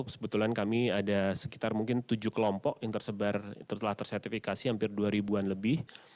sebetulnya kami ada sekitar mungkin tujuh kelompok yang tersebar yang telah tersertifikasi hampir dua ribuan lebih